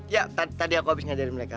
ya tadi aku habis ngajarin mereka